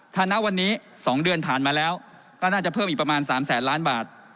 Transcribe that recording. ถ้าณวันนี้๒เดือนผ่านมาแล้วก็น่าจะเพิ่มอีกประมาณ๓แสนล้านบาท